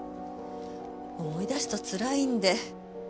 思い出すとつらいんで。